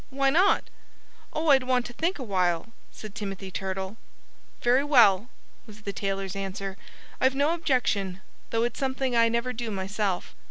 "Why not?" "Oh, I'd want to think a while," said Timothy Turtle. "Very well!" was the tailor's answer. "I've no objection, though it's something I never do myself."